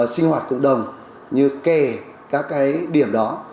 sinh hoạt cộng đồng như kè các cái điểm đó